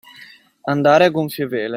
Andare a gonfie vele.